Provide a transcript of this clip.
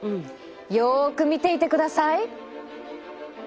よく見ていてください。